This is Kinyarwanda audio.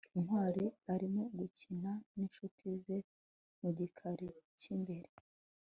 ntwali arimo gukina n'inshuti ze mu gikari cy'imbere